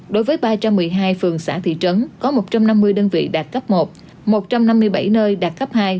đối với ba trăm một mươi hai phường xã thị trấn có một trăm năm mươi đơn vị đạt cấp một một trăm năm mươi bảy nơi đạt cấp hai